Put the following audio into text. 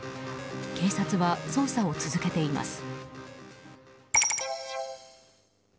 警察は捜査を続けています。